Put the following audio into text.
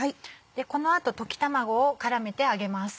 この後溶き卵を絡めて揚げます。